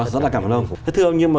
rất là cảm ơn ông thưa ông nhưng mà